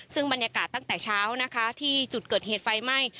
ซึ่งบรรยากาศตั้งแต่เช้านะคะที่จุดเกิดเหตุไฟไหม้